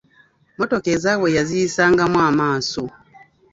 Mmotoka ezaabwe yaziyisangamu amaaso.